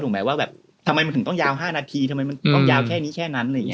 ผมแบบว่าแบบทำไมมันถึงต้องยาว๕นาทีทำไมมันต้องยาวแค่นี้แค่นั้น